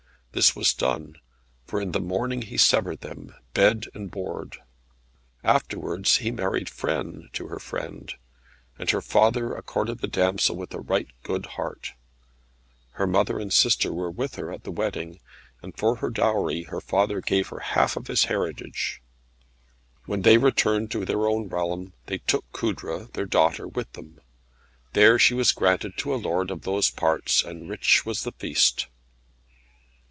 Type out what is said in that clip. This was done, for in the morning he severed them, bed and board. Afterwards he married Frêne to her friend, and her father accorded the damsel with a right good heart. Her mother and sister were with her at the wedding, and for dowry her father gave her the half of his heritage. When they returned to their own realm they took Coudre, their daughter, with them. There she was granted to a lord of those parts, and rich was the feast.